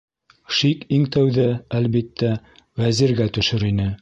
Шик иң тәүҙә, әлбиттә, Вәзиргә төшөр ине.